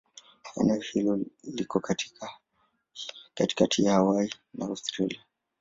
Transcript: Eneo hili liko katikati ya Hawaii na Australia.